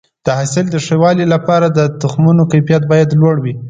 د حاصل د ښه والي لپاره د تخمونو کیفیت باید لوړ وي.